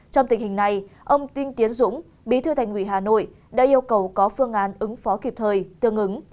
trong tình hình này ông đinh tiến dũng bí thư thành ủy hà nội đã yêu cầu có phương án ứng phó kịp thời tương ứng